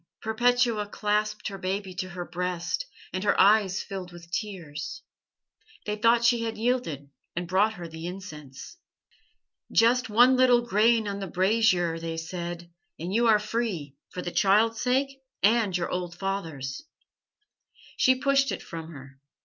"Perpetua clasped her baby to her breast, and her eyes filled with tears. They thought she had yielded, and brought her the incense. "'Just one little grain on the brazier,' they said, 'and you are free for the child's sake and your old father's.' "She pushed it from her.